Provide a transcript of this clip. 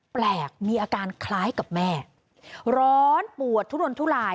แปลกมีอาการคล้ายกับแม่ร้อนปวดทุรนทุลาย